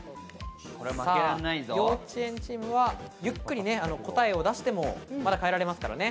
幼稚園チームは、ゆっくり答えを出しても、まだ変えられますからね。